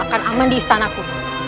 akan aman di istanaku